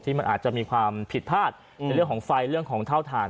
มันอาจจะมีความผิดพลาดในเรื่องของไฟเรื่องของเท่าฐาน